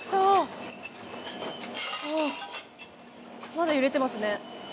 まだ揺れてますね。